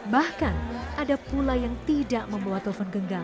bahkan ada pula yang tidak membawa telepon genggam